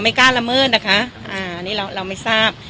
ไม่กล้าระเมิดนะคะอ่าอันนี้เราเราไม่ทราบ